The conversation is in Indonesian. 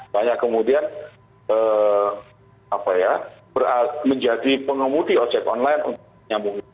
banyak kemudian menjadi pengemudi ojek online untuk menyambung